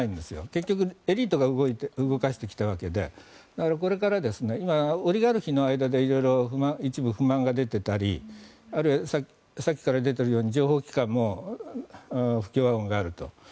結局エリートが動かしてきたわけで今、オリガルヒの間で色々、一部不満が出ていたりあるいはさっきから出ているように情報機関も不協和音があると。